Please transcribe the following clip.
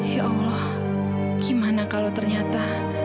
ya allah gimana kalau ternyata